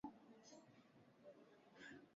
licha ya kuwa vyombo vyenyewe vinakandamizwa